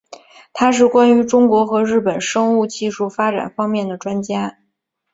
他是关于中国和日本生物技术发展方面的专家。